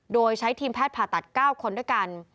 โดยใช้ทีมแพทย์ผ่าตัด๙คนด้วยกัน